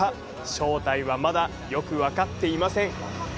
正体はまだよく分かっていません。